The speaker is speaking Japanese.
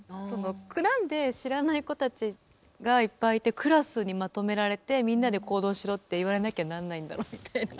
なんで知らない子たちがいっぱいいて、クラスにまとめられて、みんなで行動しろって言われなきゃなんないんだろうみたいな。